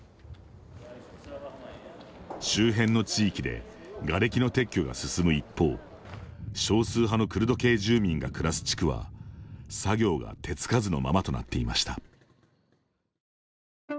周辺の地域でがれきの撤去が進む一方少数派のクルド系住民が暮らす地区は作業が手付かずのままとなっていました。